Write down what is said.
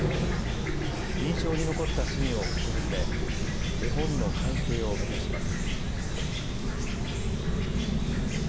印象に残ったシーンを描き始め、絵本の完成を目指します。